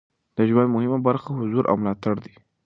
د ژوند مهمه برخه حضور او ملاتړ دی.